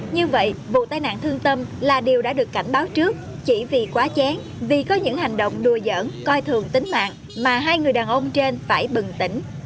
như vậy vụ tai nạn thương tâm là điều đã được cảnh báo trước chỉ vì quá chén vì có những hành động nuôi dởn coi thường tính mạng mà hai người đàn ông trên phải bừng tỉnh